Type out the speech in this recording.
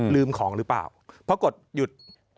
ลืมของหรือเปล่าเพราะกดหยุด